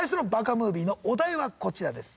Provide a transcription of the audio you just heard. ムービーのお題はこちらです。